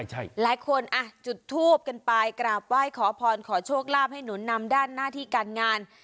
หลายคนจุดทูบกันไปกราบไหว้ขอพรขอโชคลาภให้หนุนนำด้านหน้าที่การงาน